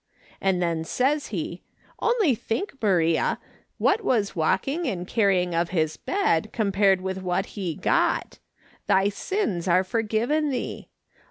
And then says he, ' Only think, Maria, what was walking and carrying of his bed, compared with what he got ! "Thy sins are forgiven thee."